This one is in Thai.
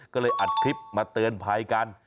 ก็เลยอัดคลิปมาเตือนภัยกัน